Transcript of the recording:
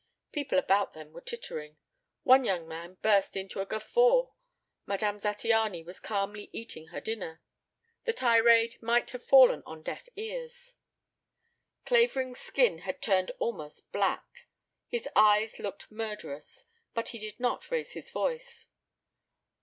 People about them were tittering. One young man burst into a guffaw. Madame Zattiany was calmly eating her dinner. The tirade might have fallen on deaf ears. Clavering's skin had turned almost black. His eyes looked murderous. But he did not raise his voice.